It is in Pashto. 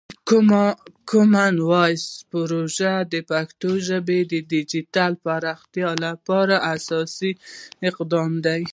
د کامن وایس پروژه د پښتو ژبې د ډیجیټل پراختیا لپاره اساسي اقدام دی.